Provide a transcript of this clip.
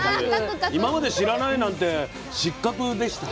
今まで知らないなんて「失格」でした。